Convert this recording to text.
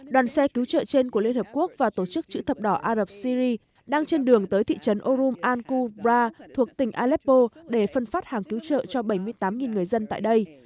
đoàn xe cứu trợ trên của liên hợp quốc và tổ chức chữ thập đỏ ari đang trên đường tới thị trấn orum ankubra thuộc tỉnh aleppo để phân phát hàng cứu trợ cho bảy mươi tám người dân tại đây